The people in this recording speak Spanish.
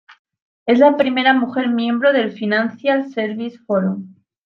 Es la primera mujer miembro del Financial Services Forum.